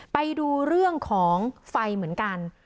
ไปดูเรื่องของไฟเหมือนกัน